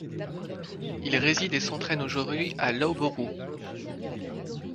Il réside et s'entraîne aujourd'hui à Loughborough.